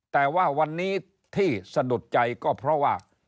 แต่ว่าวันนี้ที่สะดุดใจก็เพราะว่า